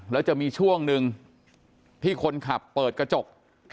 แล้วจะมีช่วงหนึ่งที่คนขับเปิดกระจก